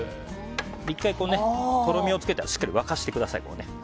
１回、とろみをつけたらしっかり沸かしてください。